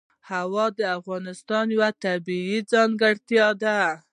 هوا د افغانستان یوه طبیعي ځانګړتیا ده.